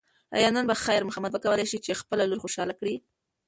ایا نن به خیر محمد وکولی شي چې خپله لور خوشحاله کړي؟